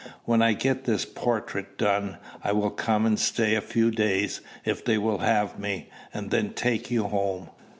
When I get this portrait done, I will come and stay a few days, if they will have me, and then take you home."